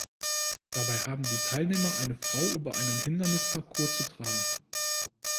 Dabei haben die Teilnehmer eine Frau über einen Hindernisparcours zu tragen.